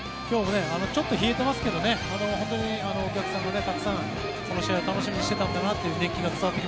今日、ちょっと冷えていますけど本当にお客さんがたくさんこの試合を楽しみにしていた